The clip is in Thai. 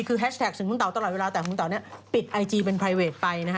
คือแฮชแท็กถึงคุณเต๋าตลอดเวลาแต่คุณเต๋าเนี่ยปิดไอจีเป็นไพรเวทไปนะฮะ